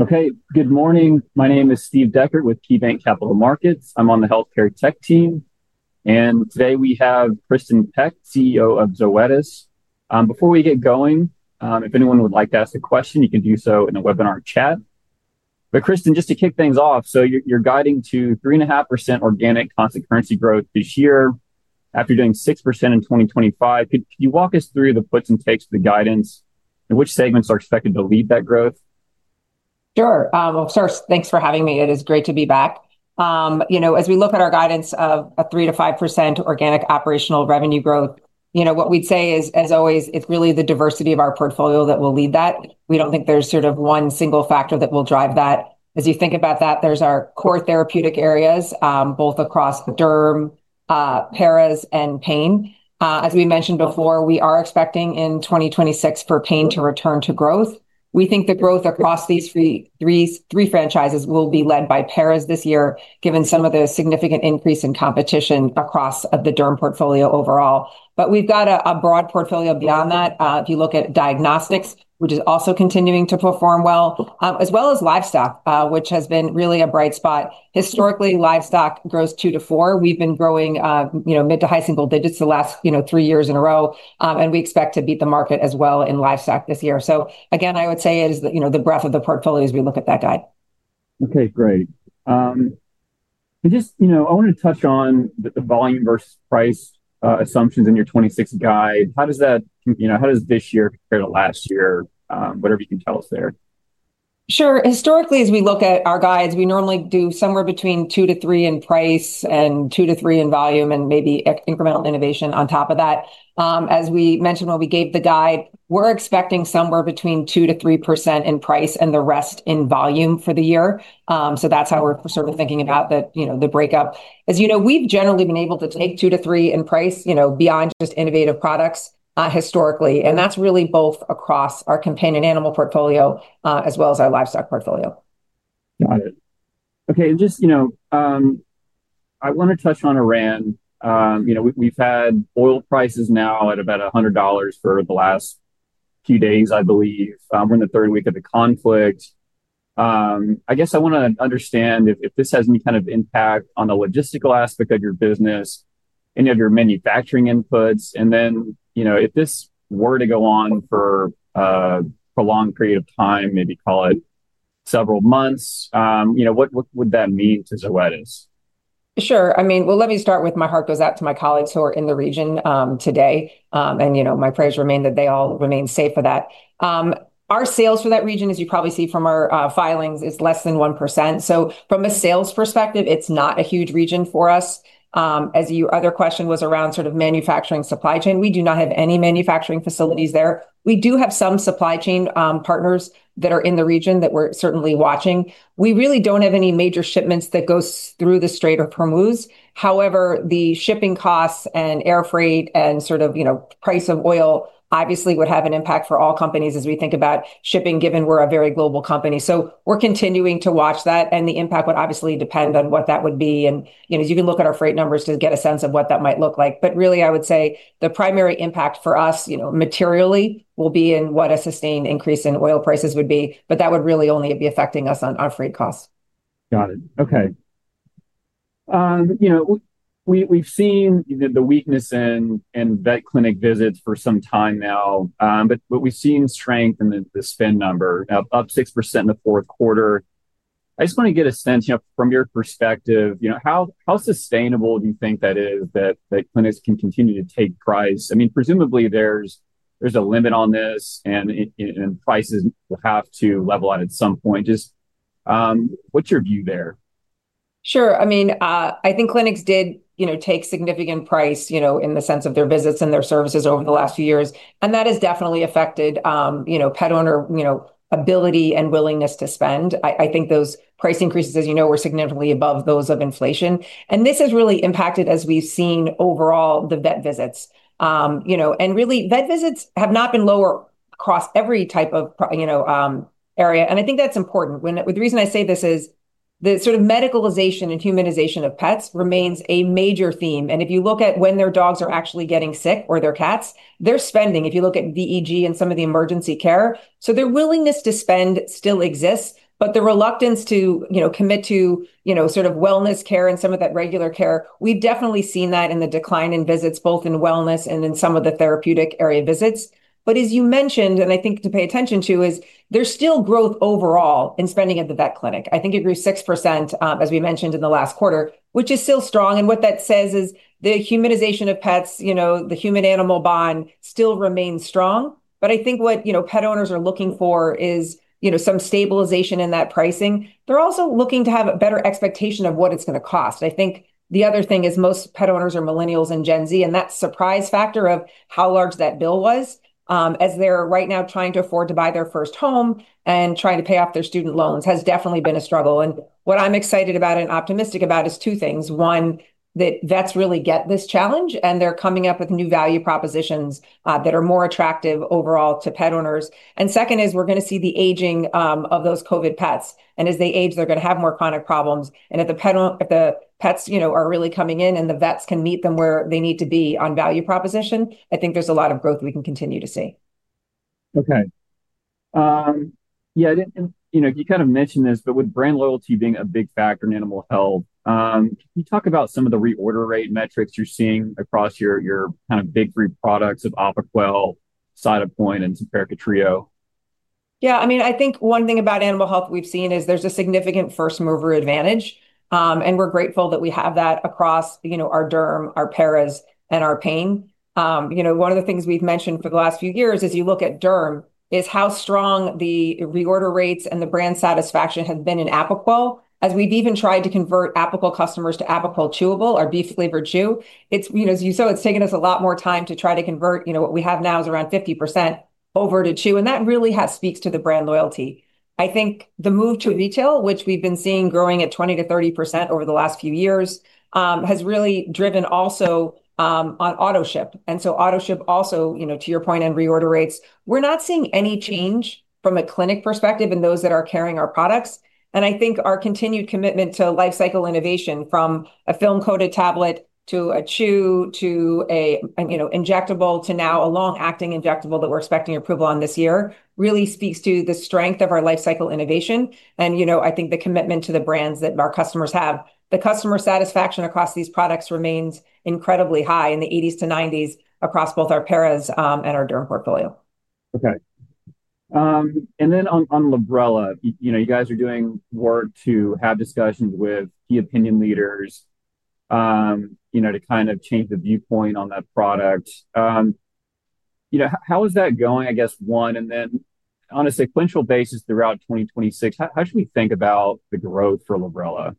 Okay, good morning. My name is Steve Dechert with KeyBanc Capital Markets. I'm on the healthcare tech team, and today we have Kristin Peck, CEO of Zoetis. Before we get going, if anyone would like to ask a question, you can do so in the webinar chat. Kristin, just to kick things off, you're guiding to 3.5% organic constant currency growth this year after doing 6% in 2025. Could you walk us through the puts and takes of the guidance, and which segments are expected to lead that growth? Sure. First, thanks for having me. It is great to be back. You know, as we look at our guidance of a 3%-5% organic operational revenue growth, you know, what we'd say is, as always, it's really the diversity of our portfolio that will lead that. We don't think there's sort of one single factor that will drive that. As you think about that, there's our core therapeutic areas, both across dermatology, parasiticides and pain. As we mentioned before, we are expecting in 2026 for pain to return to growth. We think the growth across these three franchises will be led by parasiticides this year, given some of the significant increase in competition across the dermatology portfolio overall. We've got a broad portfolio beyond that. If you look at diagnostics, which is also continuing to perform well, as well as livestock, which has been really a bright spot. Historically, livestock grows 2%-4%. We've been growing, you know, mid to high single digits the last, you know, three years in a row, and we expect to beat the market as well in livestock this year. Again, I would say it is, you know, the breadth of the portfolio as we look at that guide. Okay, great. Just, you know, I wanted to touch on the volume versus price assumptions in your 2026 guide. You know, how does this year compare to last year? Whatever you can tell us there. Sure. Historically, as we look at our guides, we normally do somewhere between 2%-3% in price and 2%-3% in volume, and maybe incremental innovation on top of that. As we mentioned when we gave the guide, we're expecting somewhere between 2%-3% in price and the rest in volume for the year. So that's how we're sort of thinking about the, you know, the breakup. As you know, we've generally been able to take 2%-3% in price, you know, beyond just innovative products, historically, and that's really both across our companion animal portfolio, as well as our livestock portfolio. Got it. Okay, just, you know, I want to touch on Iran. You know, we've had oil prices now at about $100 for the last few days, I believe. We're in the third week of the conflict. I guess I want to understand if this has any kind of impact on the logistical aspect of your business, any of your manufacturing inputs, and then, you know, if this were to go on for a prolonged period of time, maybe call it several months, you know, what would that mean to Zoetis? Sure. I mean, well, let me start with my heart goes out to my colleagues who are in the region today. You know, my prayers remain that they all remain safe for that. Our sales for that region, as you probably see from our filings, is less than 1%, so from a sales perspective, it's not a huge region for us. As your other question was around sort of manufacturing supply chain, we do not have any manufacturing facilities there. We do have some supply chain partners that are in the region that we're certainly watching. We really don't have any major shipments that goes through the Strait of Hormuz. However, the shipping costs and air freight and sort of, you know, price of oil obviously would have an impact for all companies as we think about shipping, given we're a very global company. We're continuing to watch that, and the impact would obviously depend on what that would be. You know, as you can look at our freight numbers to get a sense of what that might look like. Really, I would say the primary impact for us, you know, materially, will be in what a sustained increase in oil prices would be, but that would really only be affecting us on our freight costs. Got it. Okay. You know, we've seen the weakness in vet clinic visits for some time now, but we've seen strength in the spend number, up 6% in the Q4. I just want to get a sense, you know, from your perspective, you know, how sustainable do you think that is, that clinics can continue to take price? I mean, presumably there's a limit on this and prices will have to level out at some point. Just, what's your view there? Sure. I mean, I think clinics did, you know, take significant price, you know, in the sense of their visits and their services over the last few years, and that has definitely affected, you know, pet owner, you know, ability and willingness to spend. I think those price increases, as you know, were significantly above those of inflation. This has really impacted as we've seen overall the vet visits. Really vet visits have not been lowered across every type of area, and I think that's important. The reason I say this is the sort of medicalization and humanization of pets remains a major theme. If you look at when their dogs are actually getting sick or their cats, they're spending, if you look at VEG and some of the emergency care. Their willingness to spend still exists, but the reluctance to, you know, commit to, you know, sort of wellness care and some of that regular care, we've definitely seen that in the decline in visits both in wellness and in some of the therapeutic area visits. As you mentioned, and I think to pay attention to, is there's still growth overall in spending at the vet clinic. I think it grew 6%, as we mentioned in the last quarter, which is still strong. What that says is the humanization of pets, you know, the human animal bond still remains strong. I think what, you know, pet owners are looking for is, you know, some stabilization in that pricing. They're also looking to have a better expectation of what it's going to cost. I think the other thing is most pet owners are millennials and Gen Z, and that surprise factor of how large that bill was, as they're right now trying to afford to buy their first home and trying to pay off their student loans, has definitely been a struggle. What I'm excited about and optimistic about is two things. One, that vets really get this challenge, and they're coming up with new value propositions, that are more attractive overall to pet owners. Second is we're going to see the aging, of those COVID pets. As they age, they're going to have more chronic problems. If the pets, you know, are really coming in, and the vets can meet them where they need to be on value proposition, I think there's a lot of growth we can continue to see. Okay. Yeah, you know, you kind of mentioned this, but with brand loyalty being a big factor in animal health, can you talk about some of the reorder rate metrics you're seeing across your kind of big three products of Apoquel, Cytopoint, and Simparica Trio? Yeah. I mean, I think one thing about animal health we've seen is there's a significant first mover advantage. We're grateful that we have that across, you know, our dermatology, our parasiticides, and our pain. You know, one of the things we've mentioned for the last few years as you look at dermatology is how strong the reorder rates and the brand satisfaction have been in Apoquel as we've even tried to convert Apoquel customers to Apoquel Chewable, our beef-flavored chew. It's, you know, as you saw, it's taken us a lot more time to try to convert, you know, what we have now is around 50% over to chew, and that really speaks to the brand loyalty. I think the move to retail, which we've been seeing growing at 20%-30% over the last few years, has really driven also on autoship. Autoship also, you know, to your point on reorder rates, we're not seeing any change from a clinic perspective in those that are carrying our products. I think our continued commitment to life cycle innovation from a film-coated tablet to a chew to an injectable to now a long-acting injectable that we're expecting approval on this year really speaks to the strength of our life cycle innovation and, you know, I think the commitment to the brands that our customers have. The customer satisfaction across these products remains incredibly high in the 80%-90% across both our parasiticides and our dermatology portfolio. On Librela, you know, you guys are doing work to have discussions with key opinion leaders, you know, to kind of change the viewpoint on that product. You know, how is that going, I guess one? On a sequential basis throughout 2026, how should we think about the growth for Librela?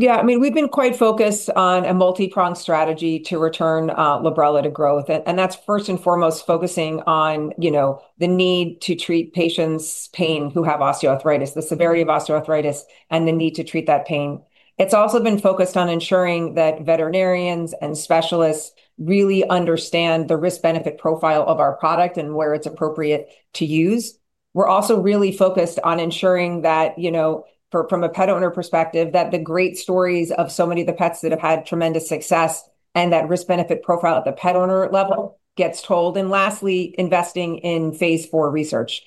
Yeah. I mean, we've been quite focused on a multipronged strategy to return Librela to growth. That's first and foremost focusing on, you know, the need to treat patients' pain who have osteoarthritis, the severity of osteoarthritis, and the need to treat that pain. It's also been focused on ensuring that veterinarians and specialists really understand the risk-benefit profile of our product and where it's appropriate to use. We're also really focused on ensuring that, you know, from a pet owner perspective, that the great stories of so many of the pets that have had tremendous success and that risk-benefit profile at the pet owner level gets told. Lastly, investing in phase four research.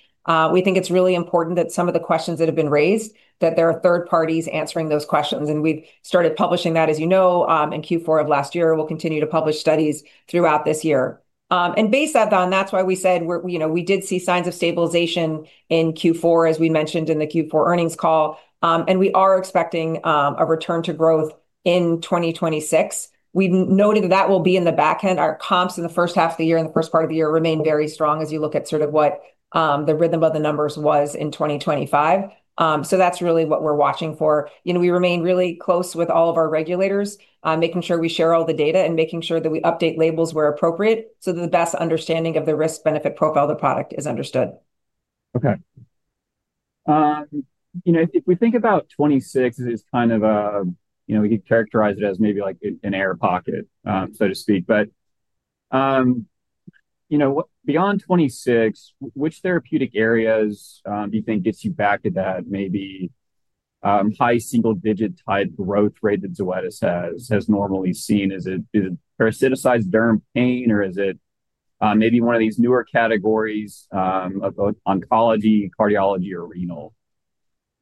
We think it's really important that some of the questions that have been raised, that there are third parties answering those questions, and we've started publishing that, as you know, in Q4 of last year. We'll continue to publish studies throughout this year. Based on that, Don, that's why we said we're, you know, we did see signs of stabilization in Q4, as we mentioned in the Q4 earnings call. We are expecting a return to growth in 2026. We've noted that will be in the back end. Our comps in the first half of the year, in the first part of the year remain very strong as you look at sort of what, the rhythm of the numbers was in 2025. That's really what we're watching for. You know, we remain really close with all of our regulators, making sure we share all the data and making sure that we update labels where appropriate, so the best understanding of the risk-benefit profile of the product is understood. You know, if we think about 2026 as kind of a, you know, you characterize it as maybe, like, an air pocket, so to speak. Beyond 2026, which therapeutic areas do you think gets you back to that maybe, high single-digit type growth rate that Zoetis has normally seen? Is it parasiticides, dermatology, pain, or is it maybe one of these newer categories of either oncology, cardiology, or renal?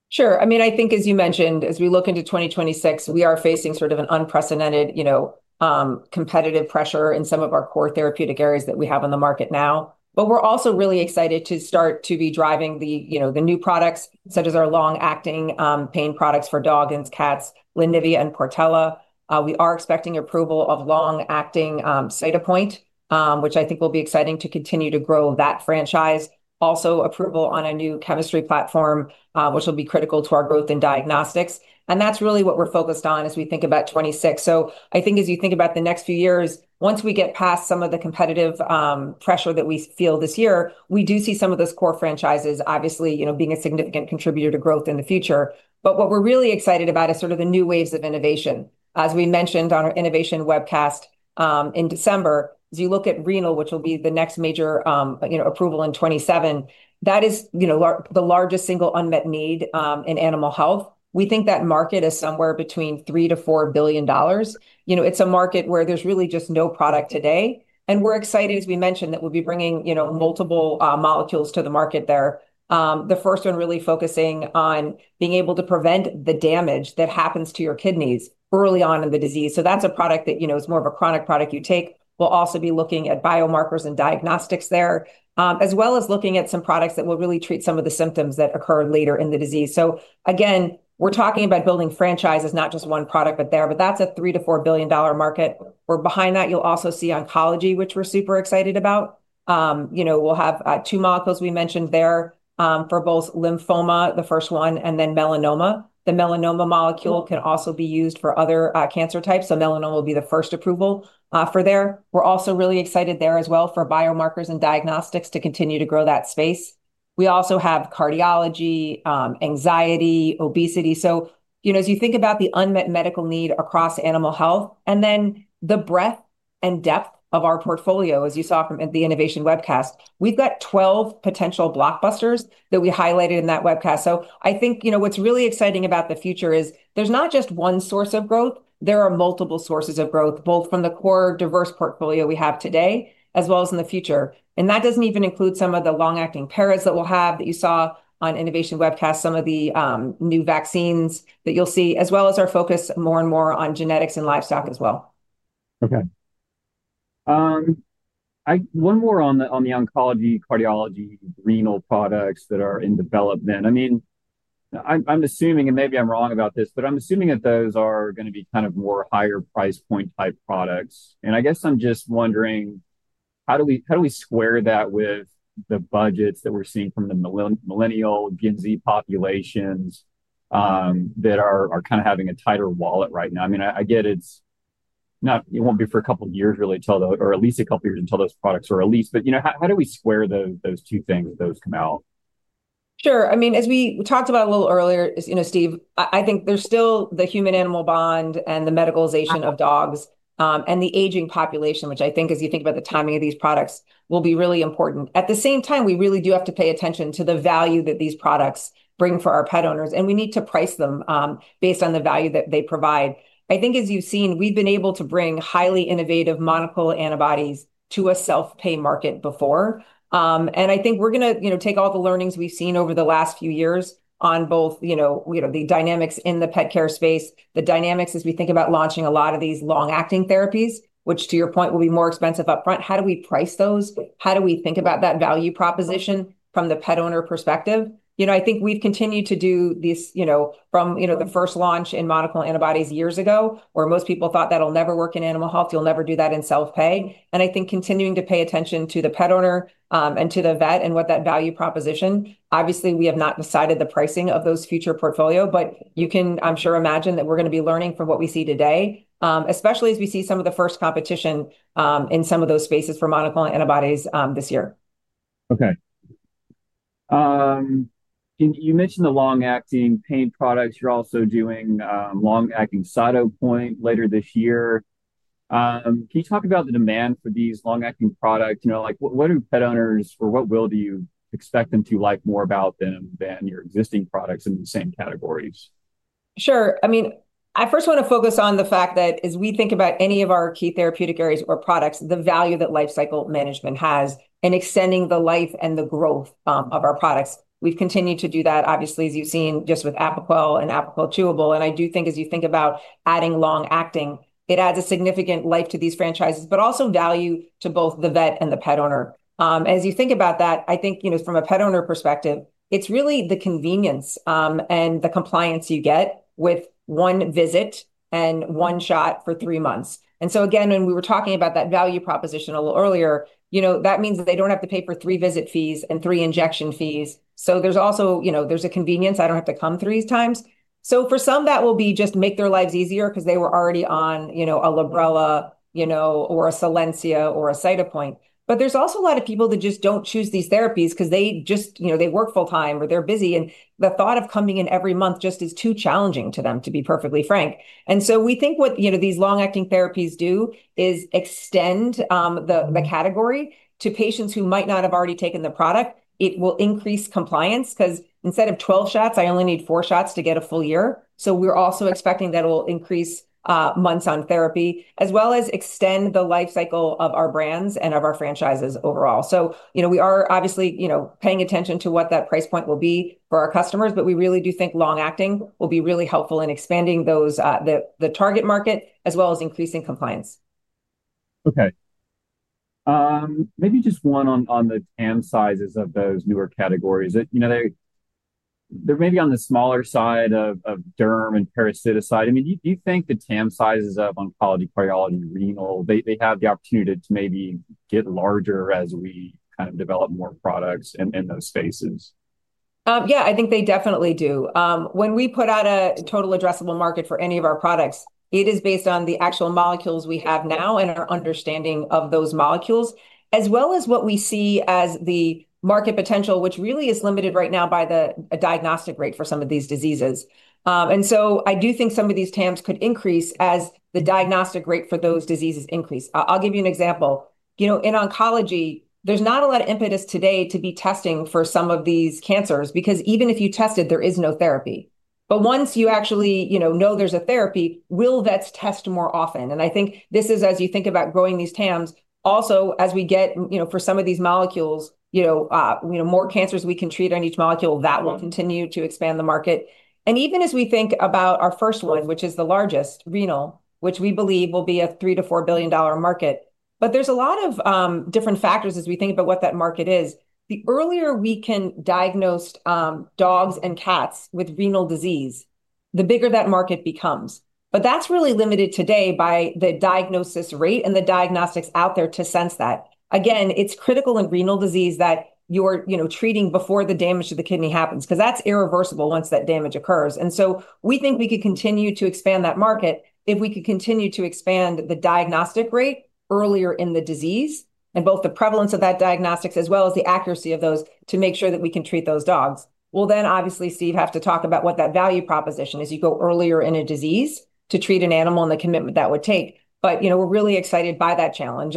Sure. I mean, I think as you mentioned, as we look into 2026, we are facing sort of an unprecedented, you know, competitive pressure in some of our core therapeutic areas that we have on the market now. But we're also really excited to start to be driving the, you know, the new products such as our long-acting pain products for dogs and cats, Librela and Solensia. We are expecting approval of long-acting Cytopoint, which I think will be exciting to continue to grow that franchise. Also, approval on a new chemistry platform, which will be critical to our growth in diagnostics, and that's really what we're focused on as we think about 2026. I think as you think about the next few years, once we get past some of the competitive pressure that we feel this year, we do see some of those core franchises obviously, you know, being a significant contributor to growth in the future. What we're really excited about is sort of the new waves of innovation. As we mentioned on our innovation webcast in December, as you look at renal, which will be the next major, you know, approval in 2027, that is, you know, the largest single unmet need in animal health. We think that market is somewhere between $3 billion-$4 billion. You know, it's a market where there's really just no product today, and we're excited, as we mentioned, that we'll be bringing, you know, multiple molecules to the market there. The first one really focusing on being able to prevent the damage that happens to your kidneys early on in the disease. That's a product that, you know, is more of a chronic product you take. We'll also be looking at biomarkers and diagnostics there, as well as looking at some products that will really treat some of the symptoms that occur later in the disease. Again, we're talking about building franchises, not just one product, but there. That's a $3 billion-$4 billion market. We're behind that. You'll also see oncology, which we're super excited about. You know, we'll have two molecules we mentioned there, for both lymphoma, the first one, and then melanoma. The melanoma molecule can also be used for other cancer types, so melanoma will be the first approval, for there. We're also really excited there as well for biomarkers and diagnostics to continue to grow that space. We also have cardiology, anxiety, obesity. You know, as you think about the unmet medical need across animal health and then the breadth and depth of our portfolio, as you saw from the innovation webcast. We've got 12 potential blockbusters that we highlighted in that webcast. I think, you know, what's really exciting about the future is there's not just one source of growth, there are multiple sources of growth, both from the core diverse portfolio we have today as well as in the future. That doesn't even include some of the long-acting parasiticides that we'll have that you saw on innovation webcast, some of the new vaccines that you'll see, as well as our focus more and more on genetics and livestock as well. One more on the oncology, cardiology, renal products that are in development. I mean, I'm assuming, and maybe I'm wrong about this, but I'm assuming that those are gonna be kind of more higher price point type products. I guess I'm just wondering how do we square that with the budgets that we're seeing from the millennial, Gen Z populations that are kind of having a tighter wallet right now. I mean, I get it's not. It won't be for a couple of years really till or at least a couple of years until those products are released, but you know, how do we square those two things if those come out? Sure. I mean, as we talked about a little earlier, as you know, Steve, I think there's still the human animal bond and the medicalization of dogs, and the aging population, which I think as you think about the timing of these products will be really important. At the same time, we really do have to pay attention to the value that these products bring for our pet owners, and we need to price them, based on the value that they provide. I think as you've seen, we've been able to bring highly innovative monoclonal antibodies to a self-pay market before. I think we're gonna, you know, take all the learnings we've seen over the last few years on both, you know, the dynamics in the pet care space, the dynamics as we think about launching a lot of these long-acting therapies, which to your point will be more expensive upfront. How do we price those? How do we think about that value proposition from the pet owner perspective? You know, I think we've continued to do these, you know, from, you know, the first launch in monoclonal antibodies years ago, where most people thought that'll never work in animal health, you'll never do that in self-pay. I think continuing to pay attention to the pet owner, and to the vet and what that value proposition. Obviously, we have not decided the pricing of those future portfolio, but you can, I'm sure, imagine that we're gonna be learning from what we see today, especially as we see some of the first competition, in some of those spaces for monoclonal antibodies, this year. You mentioned the long-acting pain products. You're also doing long-acting Cytopoint later this year. Can you talk about the demand for these long-acting products? You know, like what do pet owners or what will you expect them to like more about them than your existing products in the same categories? Sure. I mean, I first want to focus on the fact that as we think about any of our key therapeutic areas or products, the value that lifecycle management has in extending the life and the growth of our products. We've continued to do that, obviously, as you've seen just with Apoquel and Apoquel Chewable. I do think as you think about adding long acting, it adds a significant life to these franchises, but also value to both the vet and the pet owner. As you think about that, I think, you know, from a pet owner perspective, it's really the convenience and the compliance you get with one visit and one shot for three months. Again, when we were talking about that value proposition a little earlier, you know, that means that they don't have to pay for three visit fees and three injection fees. There's also, you know, a convenience. I don't have to come 3x. For some, that will be just make their lives easier because they were already on, you know, a Librela, you know, or a Solensia or a Cytopoint. There's also a lot of people that just don't choose these therapies because they just, you know, they work full-time or they're busy, and the thought of coming in every month just is too challenging to them, to be perfectly frank. We think what, you know, these long-acting therapies do is extend the category to patients who might not have already taken the product. It will increase compliance because instead of 12 shots, I only need four shots to get a full year. We're also expecting that it will increase months on therapy, as well as extend the life cycle of our brands and of our franchises overall. You know, we are obviously, you know, paying attention to what that price point will be for our customers, but we really do think long-acting will be really helpful in expanding those, the target market, as well as increasing compliance. Okay. Maybe just one on the TAM sizes of those newer categories. You know, they're maybe on the smaller side of dermatology and parasiticide. I mean, do you think the TAM sizes of oncology, cardiology, renal, they have the opportunity to maybe get larger as we kind of develop more products in those spaces? Yeah, I think they definitely do. When we put out a total addressable market for any of our products, it is based on the actual molecules we have now and our understanding of those molecules, as well as what we see as the market potential, which really is limited right now by the diagnostic rate for some of these diseases. I do think some of these TAMs could increase as the diagnostic rate for those diseases increase. I'll give you an example. You know, in oncology, there's not a lot of impetus today to be testing for some of these cancers, because even if you tested, there is no therapy. Once you actually, you know there's a therapy, will vets test more often? I think this is as you think about growing these TAMs, also as we get, you know, for some of these molecules, you know, more cancers we can treat on each molecule, that will continue to expand the market. Even as we think about our first one, which is the largest, renal, which we believe will be a $3 billion-$4 billion market, but there's a lot of different factors as we think about what that market is. The earlier we can diagnose dogs and cats with renal disease, the bigger that market becomes. That's really limited today by the diagnosis rate and the diagnostics out there to sense that. Again, it's critical in renal disease that you're, you know, treating before the damage to the kidney happens, because that's irreversible once that damage occurs. We think we could continue to expand that market if we could continue to expand the diagnostic rate earlier in the disease, and both the prevalence of that diagnostics as well as the accuracy of those to make sure that we can treat those dogs. We'll then obviously, Steve, have to talk about what that value proposition is. You go earlier in a disease to treat an animal and the commitment that would take. You know, we're really excited by that challenge,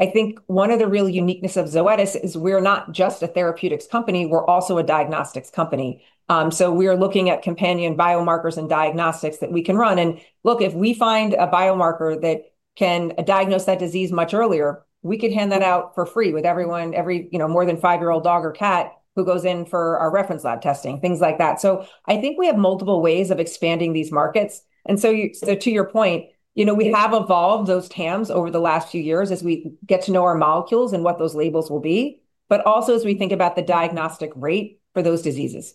and I think one of the real uniqueness of Zoetis is we're not just a therapeutics company, we're also a diagnostics company. We are looking at companion biomarkers and diagnostics that we can run, and look, if we find a biomarker that can diagnose that disease much earlier, we could hand that out for free with every you know more than five-year-old dog or cat who goes in for our reference lab testing, things like that. I think we have multiple ways of expanding these markets. To your point, you know, we have evolved those TAMs over the last few years as we get to know our molecules and what those labels will be, but also as we think about the diagnostic rate for those diseases.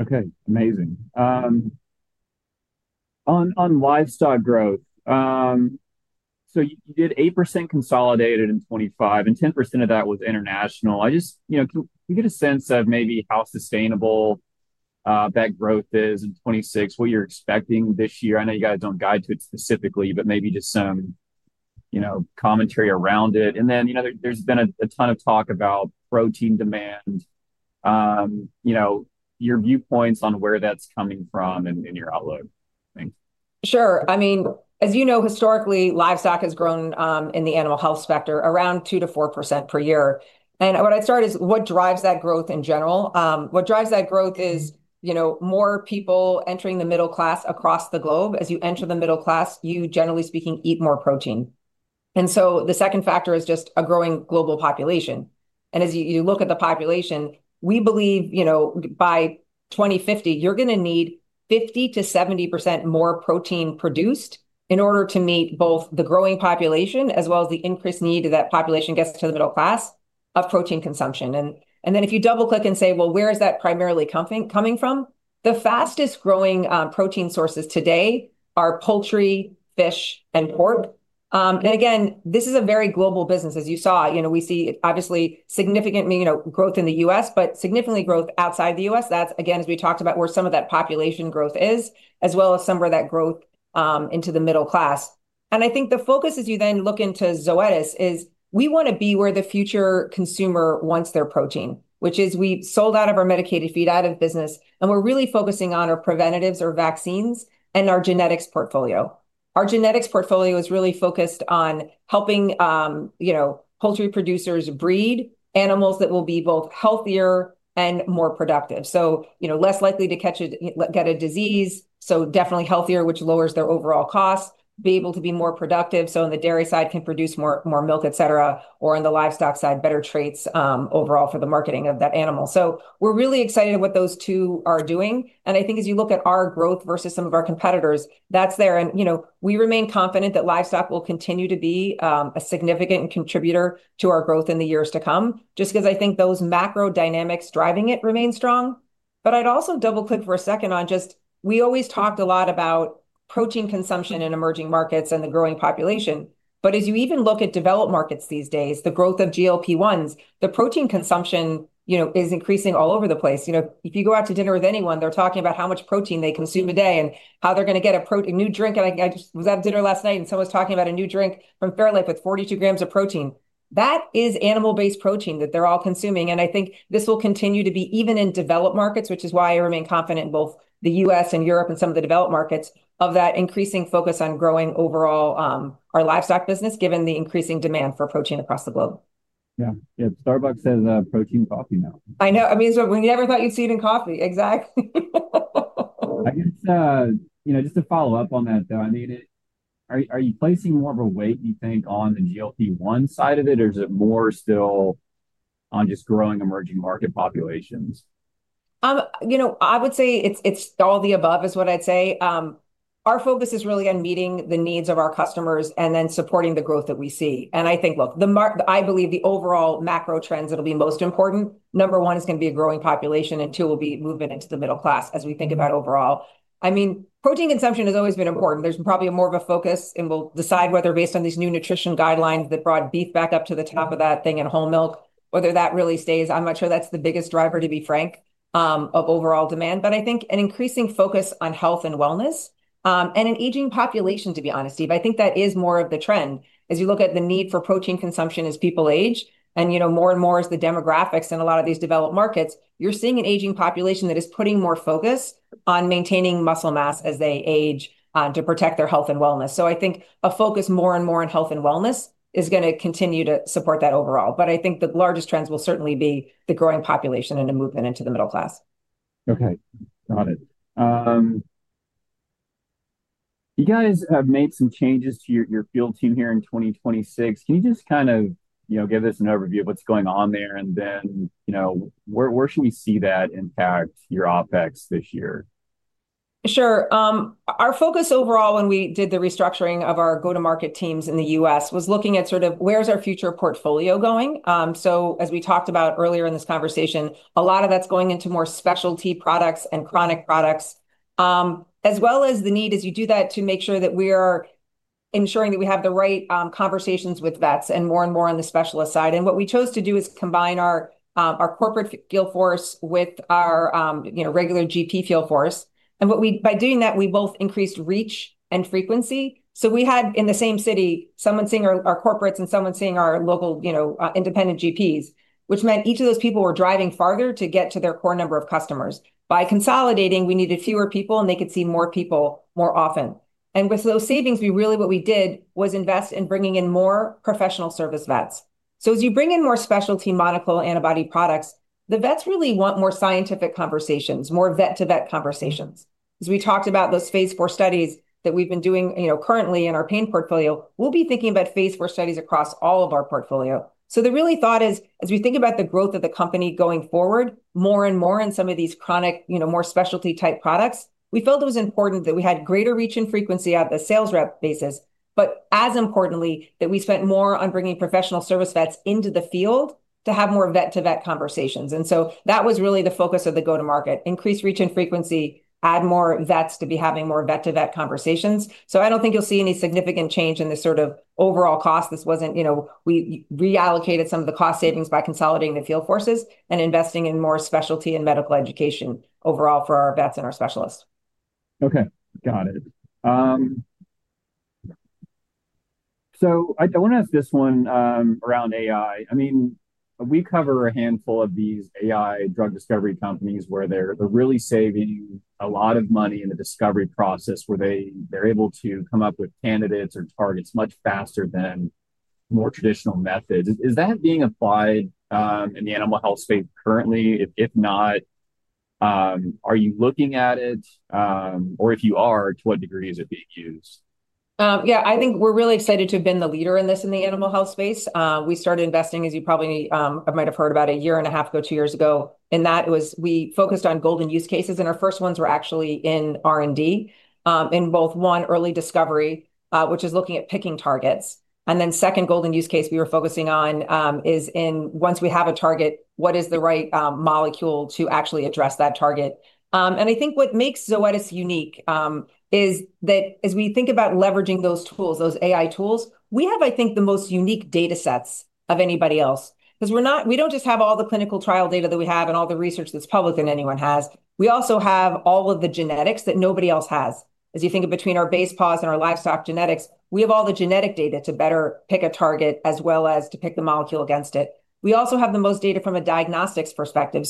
Okay, amazing. On livestock growth. So, you did 8% consolidated in 2025, and 10% of that was international. You know, can we get a sense of maybe how sustainable that growth is in 2026, what you're expecting this year? I know you guys don't guide to it specifically, but maybe just some, you know, commentary around it. Then, you know, there’s been a ton of talk about protein demand. You know, your viewpoints on where that's coming from in your outlook. Thanks. Sure. I mean, as you know, historically, livestock has grown in the animal health sector around 2%-4% per year. What I'd start is what drives that growth in general. What drives that growth is, you know, more people entering the middle class across the globe. As you enter the middle class, you, generally speaking, eat more protein. The second factor is just a growing global population. As you look at the population, we believe, you know, by 2050, you're going to need 50%-70% more protein produced in order to meet both the growing population, as well as the increased need of that population gets to the middle class, of protein consumption. Then if you double-click and say, "Well, where is that primarily coming from?" The fastest-growing protein sources today are poultry, fish, and pork. And again, this is a very global business. As you saw, you know, we see obviously significant, you know, growth in the U.S., but significant growth outside the U.S. That's again, as we talked about, where some of that population growth is, as well as some of where that growth into the middle class. I think the focus as you then look into Zoetis is we wanna be where the future consumer wants their protein, which is we sold out of our medicated feed additives business, and we're really focusing on our preventatives or vaccines and our genetics portfolio. Our genetics portfolio is really focused on helping, you know, poultry producers breed animals that will be both healthier and more productive. You know, less likely to catch a disease, so definitely healthier, which lowers their overall cost, be able to be more productive, so on the dairy side can produce more milk, et cetera, or on the livestock side, better traits overall for the marketing of that animal. We're really excited what those two are doing, and I think as you look at our growth versus some of our competitors, that's there and, you know, we remain confident that livestock will continue to be a significant contributor to our growth in the years to come, just because I think those macro dynamics driving it remain strong. I'd also double-click for a second on just we always talked a lot about protein consumption in emerging markets and the growing population, but as you even look at developed markets these days, the growth of GLP-1s, the protein consumption, you know, is increasing all over the place. You know, if you go out to dinner with anyone, they're talking about how much protein they consume a day and how they're going to get a new drink. I just was at dinner last night, and someone was talking about a new drink from Fairlife with 42g of protein. That is animal-based protein that they're all consuming, and I think this will continue to be even in developed markets, which is why I remain confident in both the U.S. and Europe and some of the developed markets of that increasing focus on growing overall, our livestock business, given the increasing demand for protein across the globe. Yeah. Starbucks has protein coffee now. I know. I mean, when you never thought you'd see it in coffee. Exactly. I guess, you know, just to follow up on that, though, I mean, are you placing more of a weight, you think, on the GLP-1 side of it, or is it more still on just growing emerging market populations? You know, I would say it's all the above is what I'd say. Our focus is really on meeting the needs of our customers and then supporting the growth that we see. I think, look, I believe the overall macro trends that'll be most important, number one, is going to be a growing population, and two will be movement into the middle class as we think about overall. I mean, protein consumption has always been important. There's probably more of a focus, and we'll decide whether based on these new nutrition guidelines that brought beef back up to the top of that thing and whole milk, whether that really stays. I'm not sure that's the biggest driver, to be frank, of overall demand. I think an increasing focus on health and wellness, and an aging population, to be honest, Steve. I think that is more of the trend. As you look at the need for protein consumption as people age, and, you know, more and more as the demographics in a lot of these developed markets, you're seeing an aging population that is putting more focus on maintaining muscle mass as they age, to protect their health and wellness. I think a focus more and more on health and wellness is gonna continue to support that overall. I think the largest trends will certainly be the growing population and a movement into the middle class. Okay. Got it. You guys have made some changes to your field team here in 2026. Can you just kind of, you know, give us an overview of what's going on there and then, you know, where should we see that impact your OpEx this year? Sure. Our focus overall when we did the restructuring of our go-to-market teams in the U.S. was looking at sort of where's our future portfolio going. As we talked about earlier in this conversation, a lot of that's going into more specialty products and chronic products, as well as the need as you do that to make sure that we are ensuring that we have the right conversations with vets and more and more on the specialist side. What we chose to do is combine our corporate field force with our you know, regular GP field force. By doing that, we both increased reach and frequency. We had, in the same city, someone seeing our corporates and someone seeing our local, you know, independent GPs, which meant each of those people were driving farther to get to their core number of customers. By consolidating, we needed fewer people, and they could see more people more often. With those savings, we really what we did was invest in bringing in more professional service vets. As you bring in more specialty monoclonal antibody products, the vets really want more scientific conversations, more vet-to-vet conversations. As we talked about those phase IV studies that we've been doing, you know, currently in our pain portfolio, we'll be thinking about phase IV studies across all of our portfolio. The real thought is, as we think about the growth of the company going forward, more and more in some of these chronic, you know, more specialty-type products, we felt it was important that we had greater reach and frequency at the sales rep basis. As importantly, that we spent more on bringing professional service vets into the field to have more vet-to-vet conversations. That was really the focus of the go-to-market, increase reach and frequency, add more vets to be having more vet-to-vet conversations. I don't think you'll see any significant change in the sort of overall cost. This wasn't, you know. We reallocated some of the cost savings by consolidating the field forces and investing in more specialty and medical education overall for our vets and our specialists. Okay. Got it. I want to ask this one around AI. I mean, we cover a handful of these AI drug discovery companies where they're really saving a lot of money in the discovery process where they're able to come up with candidates or targets much faster than more traditional methods. Is that being applied in the animal health space currently? If not, are you looking at it? If you are, to what degree is it being used? I think we're really excited to have been the leader in this in the animal health space. We started investing, as you probably might have heard about a year and a half ago, two years ago, we focused on golden use cases, and our first ones were actually in R&D in both one early discovery, which is looking at picking targets. Second golden use case we were focusing on is, once we have a target, what is the right molecule to actually address that target. I think what makes Zoetis unique is that as we think about leveraging those tools, those AI tools, we have, I think, the most unique datasets of anybody else. We don't just have all the clinical trial data that we have and all the research that's published than anyone has. We also have all of the genetics that nobody else has. As you think of between our Basepaws and our livestock genetics, we have all the genetic data to better pick a target as well as to pick the molecule against it. We also have the most data from a diagnostics perspective.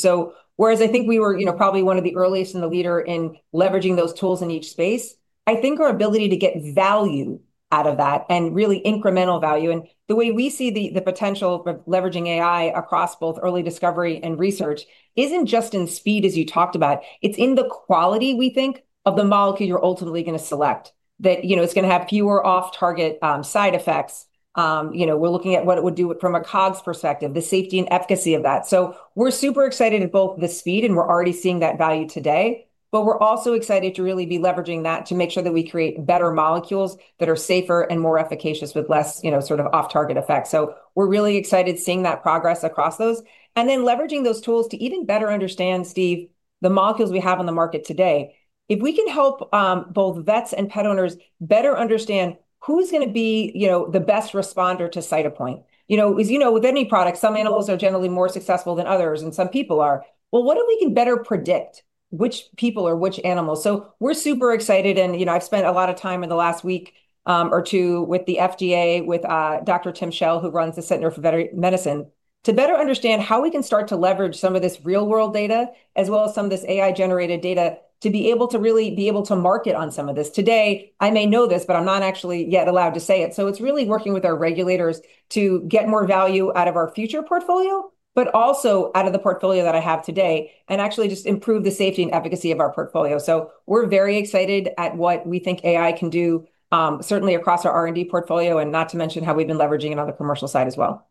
Whereas I think we were, you know, probably one of the earliest and the leader in leveraging those tools in each space, I think our ability to get value out of that and really incremental value and the way we see the potential of leveraging AI across both early discovery and research isn't just in speed as you talked about. It's in the quality we think of the molecule you're ultimately gonna select, that, you know, it's gonna have fewer off-target side effects. You know, we're looking at what it would do from a COGS perspective, the safety and efficacy of that. We're super excited at both the speed, and we're already seeing that value today, but we're also excited to really be leveraging that to make sure that we create better molecules that are safer and more efficacious with less, you know, sort of off-target effects. We're really excited seeing that progress across those. Then leveraging those tools to even better understand, Steve, the molecules we have on the market today. If we can help both vets and pet owners better understand who's gonna be, you know, the best responder to Cytopoint. You know, as you know, with any product, some animals are generally more successful than others, and some people are. Well, what if we can better predict which people or which animals? We're super excited and, you know, I've spent a lot of time in the last week or two with the FDA, with Dr. Tim Schell, who runs the Center for Veterinary Medicine, to better understand how we can start to leverage some of this real-world data as well as some of this AI-generated data to be able to really be able to market on some of this. You may know this, but I'm not actually yet allowed to say it. It's really working with our regulators to get more value out of our future portfolio, but also out of the portfolio that I have today, and actually just improve the safety and efficacy of our portfolio. We're very excited at what we think AI can do, certainly across our R&D portfolio, and not to mention how we've been leveraging it on the commercial side as well.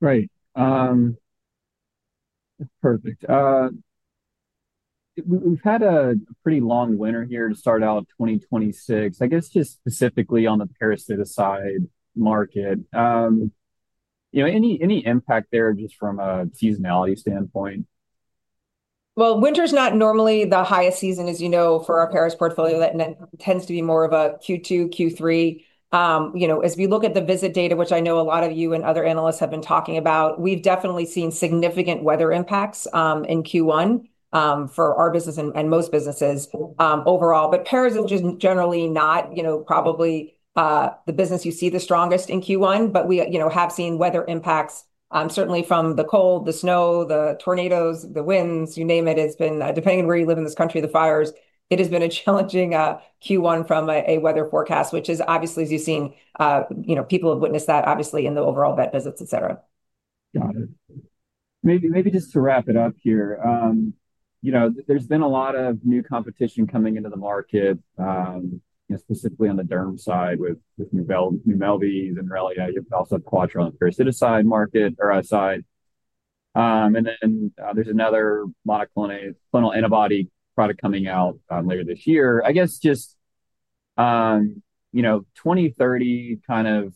Right. Perfect. We've had a pretty long winter here to start out 2026. I guess just specifically on the parasiticide market, you know, any impact there just from a seasonality standpoint? Well, winter's not normally the highest season, as you know, for our parasiticides portfolio. That tends to be more of a Q2, Q3. As we look at the visit data, which I know a lot of you and other analysts have been talking about, we've definitely seen significant weather impacts in Q1 for our business and most businesses overall. Parasiticides is generally not, you know, probably the business you see the strongest in Q1, but we, you know, have seen weather impacts certainly from the cold, the snow, the tornadoes, the winds, you name it. It's been, depending on where you live in this country, the fires. It has been a challenging Q1 from a weather forecast, which is obviously as you've seen, you know, people have witnessed that obviously in the overall vet visits, et cetera. Got it. Maybe just to wrap it up here. You know, there's been a lot of new competition coming into the market, you know, specifically on the derm side with NOUMELV, Zenrelia. You also have Credelio Quattro parasiticide market or aside. There's another monoclonal antibody product coming out later this year. I guess just, you know, 2030 kind of,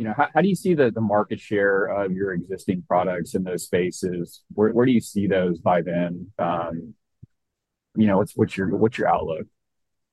you know, how do you see the market share of your existing products in those spaces? Where do you see those by then? You know, what's your outlook?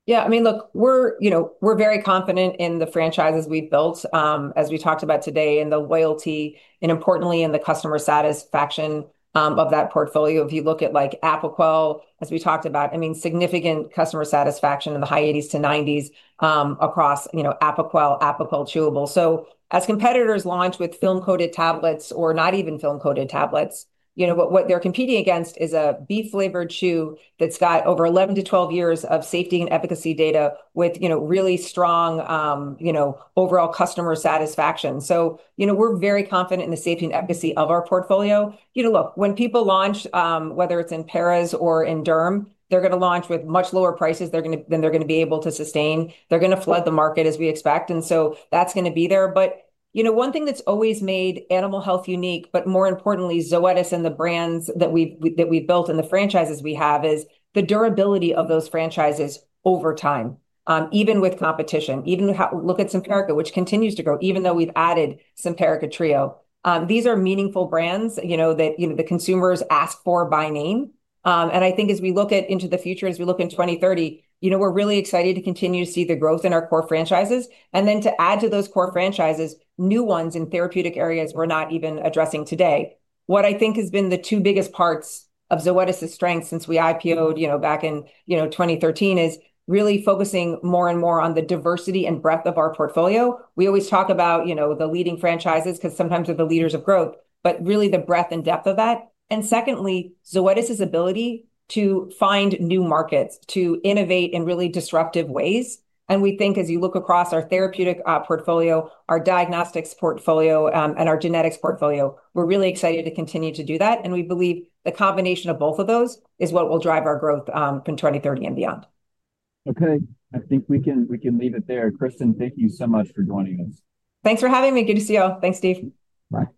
Yeah, I mean, look, we're, you know, very confident in the franchises we've built, as we talked about today, and the loyalty, and importantly in the customer satisfaction of that portfolio. If you look at, like, Apoquel, as we talked about, I mean, significant customer satisfaction in the high 80s-90s across, you know, Apoquel Chewable. So as competitors launch with film-coated tablets or not even film-coated tablets, you know, what they're competing against is a beef-flavored chew that's got over 11-12 years of safety and efficacy data with, you know, really strong overall customer satisfaction. You know, we're very confident in the safety and efficacy of our portfolio. You know, look, when people launch, whether it's in parasiticides or in dermatology, they're gonna launch with much lower prices than they're gonna be able to sustain. They're gonna flood the market as we expect, and so that's gonna be there. You know, one thing that's always made Animal Health unique, but more importantly, Zoetis and the brands that we've built and the franchises we have is the durability of those franchises over time, even with competition. Even look at Simparica, which continues to grow even though we've added Simparica Trio. These are meaningful brands, you know, that the consumers ask for by name. I think as we look into the future, as we look in 2030, you know, we're really excited to continue to see the growth in our core franchises. To add to those core franchises, new ones in therapeutic areas we're not even addressing today. What I think has been the two biggest parts of Zoetis' strength since we IPO'd, you know, back in, you know, 2013, is really focusing more and more on the diversity and breadth of our portfolio. We always talk about, you know, the leading franchises because sometimes they're the leaders of growth, but really the breadth and depth of that. Secondly, Zoetis' ability to find new markets, to innovate in really disruptive ways. We think as you look across our therapeutic portfolio, our diagnostics portfolio, and our genetics portfolio, we're really excited to continue to do that, and we believe the combination of both of those is what will drive our growth from 2030 and beyond. Okay. I think we can leave it there. Kristin, thank you so much for joining us. Thanks for having me. Good to see you all. Thanks, Steve. Bye.